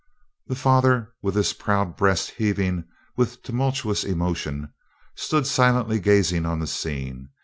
The father, with his proud breast heaving with tumultuous emotion, stood silently gazing on the scene.